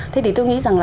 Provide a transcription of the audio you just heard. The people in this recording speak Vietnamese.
thế thì tôi nghĩ rằng